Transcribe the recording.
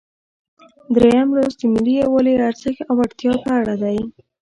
دریم لوست د ملي یووالي ارزښت او اړتیا په اړه دی.